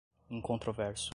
incontroverso